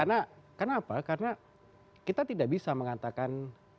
artinya karena apa karena kita tidak bisa mengatakan